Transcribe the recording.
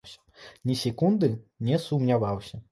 Ні секунды не сумняваўся.